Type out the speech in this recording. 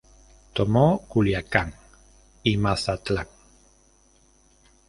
Tomó Culiacán y Mazatlán.